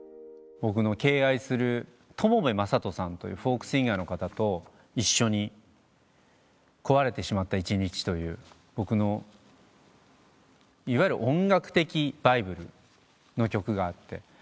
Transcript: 僕の敬愛する友部正人さんというフォークシンガーの方と一緒に『こわれてしまった一日』という僕のいわゆる音楽的バイブルの曲があって。